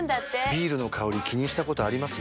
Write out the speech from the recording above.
ビールの香り気にしたことあります？